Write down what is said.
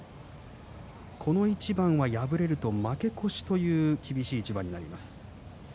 この一番は敗れると負け越しという厳しい一番になります。